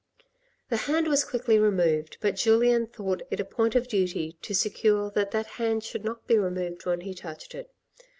The hand was quickly removed, but Julien thought it a point of duty to secure that that hand should not be removed when he touched it.